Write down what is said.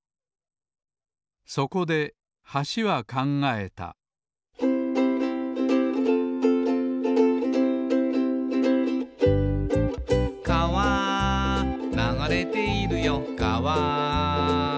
そこで橋は考えた「かわ流れているよかわ」